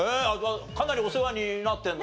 かなりお世話になってるんだね。